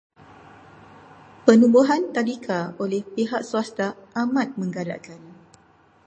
Penubuhan tadika oleh pihak swasta amat menggalakkan.